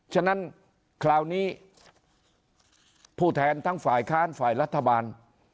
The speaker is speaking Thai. ฉะนั้นคราวนี้ผู้แทนทั้งฝ่ายค้านฝ่ายรัฐบาล